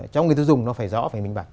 cho người tiêu dùng nó phải rõ phải bình bạc